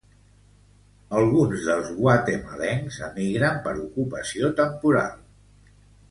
Alguns dels guatemalencs emigren per ocupació temporal.